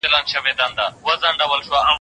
زه به سبا ليکلي پاڼي ترتيب کوم؟